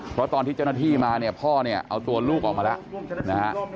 เพราะตอนที่เจ้าหน้าที่มาพ่อเอาตัวลูกออกมาแล้ว